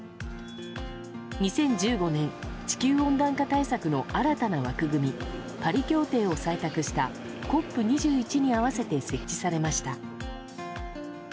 ２０１５年地球温暖化対策の新たな枠組みパリ協定を採択したＣＯＰ２１に合わせて設置されました。